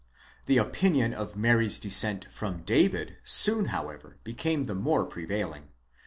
® The opinion of Mary's descent from David, soon however became the more prevailing.